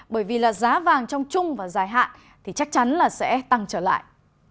bởi vì giá vàng trong chung và dài hạn thì chắc chắn sẽ tăng trở lại